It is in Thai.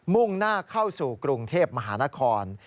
่งหน้าเข้าสู่กรุงเทพมหานคร